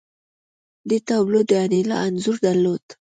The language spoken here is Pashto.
دې تابلو د انیلا انځور درلود